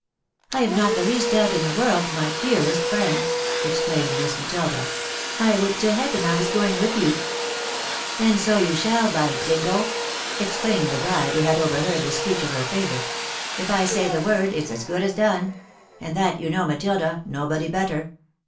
" I have not the least doubt in the world, my dearest friend !" exclaimed Miss MatUda. " I would to heaven I was going with you !"" Then so you shall, by jingo !" exclaimed the bride, who had overheard the speech of her favourite. " If I say the word, it's as good as done ; and that you know, Matilda — nobody better.